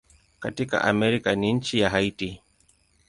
Katika Amerika ni nchi ya Haiti.